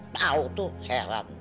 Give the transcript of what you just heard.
mau tuh heran